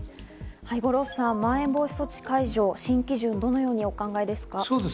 五郎さん、まん延防止措置解除の新基準、どのようにお考えですか？